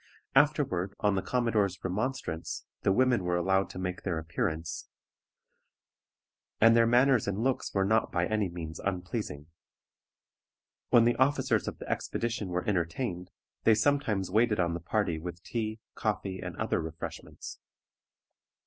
Afterward, on the commodore's remonstrance, the women were allowed to make their appearance, and their manners and looks were not by any means unpleasing. When the officers of the expedition were entertained, they sometimes waited on the party with tea, coffee, and other refreshments.